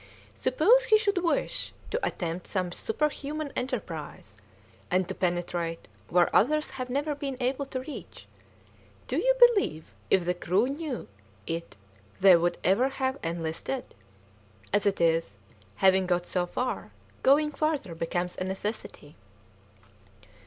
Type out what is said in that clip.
"Suppose he should wish to attempt some superhuman enterprise, and to penetrate where others have never been able to reach, do you believe if the crew knew it they would ever have enlisted? As it is, having got so far, going farther becomes a necessity."